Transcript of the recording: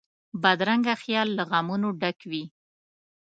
بدرنګه خیال له غمونو ډک وي